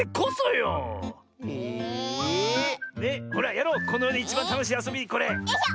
よいしょ！